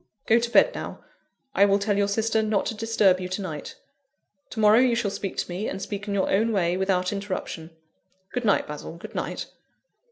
Go to bed now; I will tell your sister not to disturb you to night. To morrow, you shall speak to me; and speak in your own way, without interruption. Good night, Basil, good night."